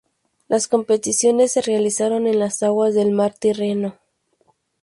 Las competiciones se realizaron en las aguas del mar Tirreno.